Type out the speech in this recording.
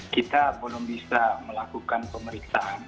kita belum bisa melakukan pemeriksaan